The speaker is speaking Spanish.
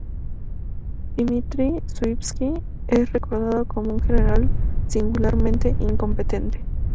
Dmitri Shuiski es recordado como un general singularmente incompetente.